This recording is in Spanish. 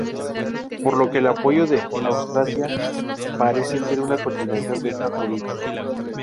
Por lo que el apoyo a Austrasia parece ser una continuación de esta política.